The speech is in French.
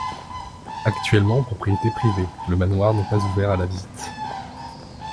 Actuellement propriété privée, le manoir n'est pas ouvert à la visite.